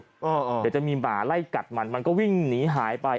เดี๋ยวจะมีหมาไล่กัดมันมันก็วิ่งหนีหายไป